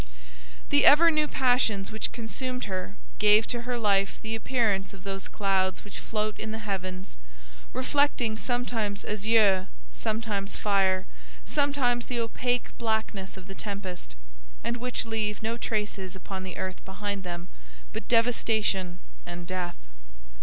The ever new passions which consumed her gave to her life the appearance of those clouds which float in the heavens, reflecting sometimes azure, sometimes fire, sometimes the opaque blackness of the tempest, and which leave no traces upon the earth behind them but devastation and death.